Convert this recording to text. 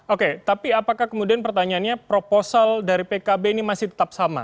oke tapi apakah kemudian pertanyaannya proposal dari pkb ini masih tetap sama